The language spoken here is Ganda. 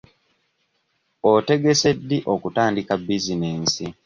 Otegese ddi okutandika bizinensi?